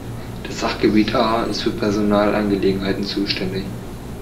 Das Sachgebiet A ist für Personalangelegenheiten zuständig.